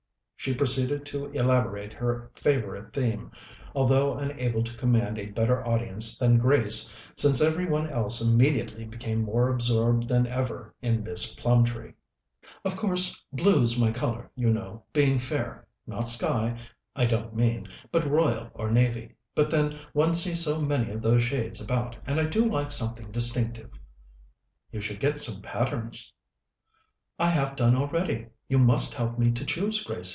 She proceeded to elaborate her favourite theme, although unable to command a better audience than Grace, since every one else immediately became more absorbed than ever in Miss Plumtree. "Of course, blue's my colour, you know, being fair. Not sky, I don't mean, but royal or navy. But, then, one sees so many of those shades about, and I do like something distinctive." "You should get some patterns." "I have done already. You must help me to choose, Gracie.